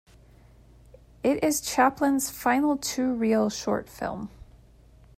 It is Chaplin's final two-reel short film.